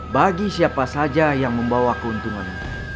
bagi siapa saja yang membawa keuntungan